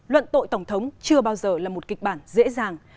luận tội tổng thống chưa bao giờ là một kịch bản dễ dàng